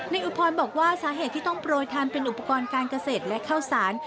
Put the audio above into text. อุพรบอกว่าสาเหตุที่ต้องโปรยทานเป็นอุปกรณ์การเกษตรและข้าวสาร